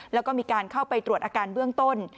แล้วก็มีการเข้าไปตรวจอาการเบื้องต้น